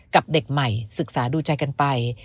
กับเด็กใหม่ศึกษาดูใจกันไป